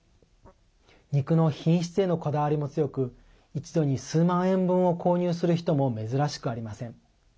肉の品質へのこだわりも強く一度に数万円分を購入する人も珍しくありません。